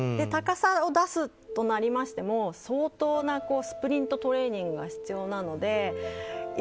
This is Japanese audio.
高さを出すとなりましても相当なスプリントトレーニングが必要なので。